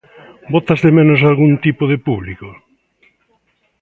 Botas de menos algún tipo de público?